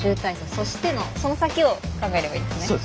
そして」のその先を考えればいいんですね。